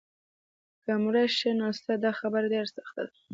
که مړه شي نو څه؟ دا خبره ډېره سخته ده.